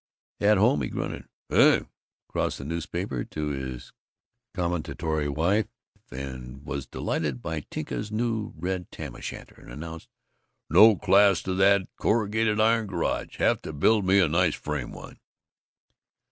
At home he grunted "Eh?" across the newspaper to his commentatory wife, and was delighted by Tinka's new red tam o'shanter, and announced, "No class to that corrugated iron garage. Have to build me a nice frame one."